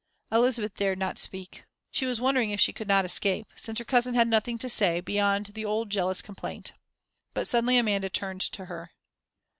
Elizabeth dared not speak. She was wondering if she could not escape, since her cousin had nothing to say, beyond the old jealous complaint. But suddenly Amanda turned to her.